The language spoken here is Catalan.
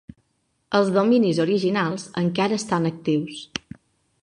Els dominis originals encara estan actius.